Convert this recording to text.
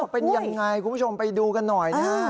เป็นยังไงคุณผู้ชมไปดูกันหน่อยนะฮะ